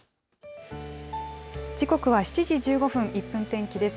時刻は７時１５分、１分天気です。